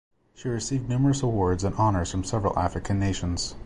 She received numerous awards and honours from several African nations.